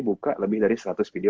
buka lebih dari seratus video